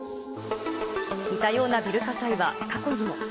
似たようなビル火災は過去にも。